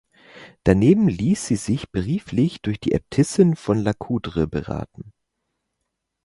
Daneben ließ sie sich brieflich durch die Äbtissin von La Coudre beraten.